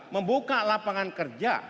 membuka lapangan kerja